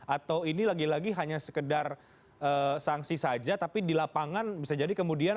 atau ini lagi lagi hanya sekedar sanksi saja tapi di lapangan bisa jadi kemudian